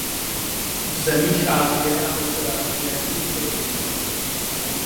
V zemích Asie a Oceánie nepůsobí.